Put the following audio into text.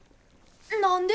何で？